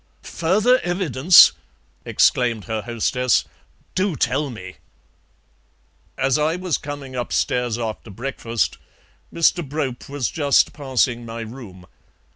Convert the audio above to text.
"Further evidence!" exclaimed her hostess; "do tell me!" "As I was coming upstairs after breakfast Mr. Brope was just passing my room.